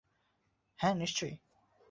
হ্যাঁ, নিশ্চয়ই।